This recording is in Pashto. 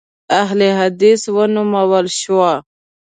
اهل حدیث ونومول شوه.